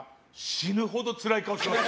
死ぬほどつらい顔してます。